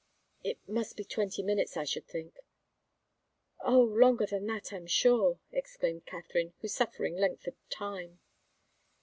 "It must be twenty minutes, I should think." "Oh longer than that, I'm sure!" exclaimed Katharine, whose suffering lengthened time.